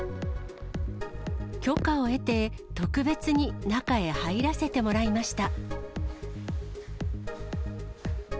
許可を得て、特別に中に入らせてもらいました。